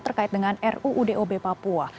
terkait dengan ruu dob papua